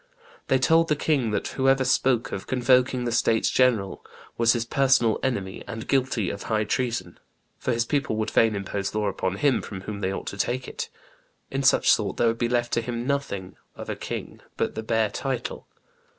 "They told the king that whoever spoke of convoking the states general was his personal enemy and guilty of high treason; for his people would fain impose law upon him from whom they ought to take it, in such sort that there would be left to him nothing of a king but the bare title.